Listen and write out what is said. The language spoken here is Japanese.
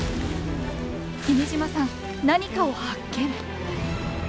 君島さん何かを発見！